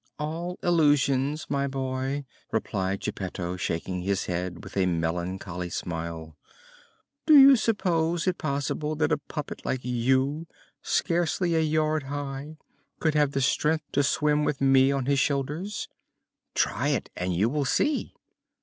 "All illusions, my boy!" replied Geppetto, shaking his head, with a melancholy smile. "Do you suppose it possible that a puppet like you, scarcely a yard high, could have the strength to swim with me on his shoulders!" "Try it and you will see!"